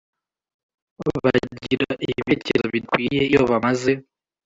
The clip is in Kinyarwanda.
bagira ibitekerezo bidakwiriye iyo bamaze